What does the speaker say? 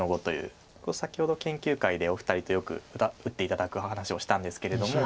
先ほど研究会でお二人とよく打って頂く話をしたんですけれども。